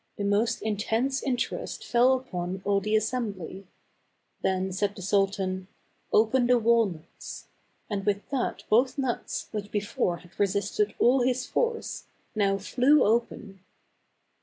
The most intense interest fell upon all the as sembly. Then said the sultan, " Open the wal nuts." And with that both nuts, which before had resisted all his force, now flew open.